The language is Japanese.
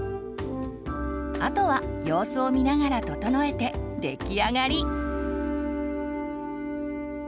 あとは様子を見ながら整えて出来上がり。